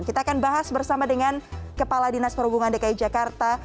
kita akan bahas bersama dengan kepala dinas perhubungan dki jakarta